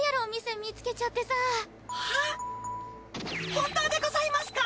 本当でございますか！？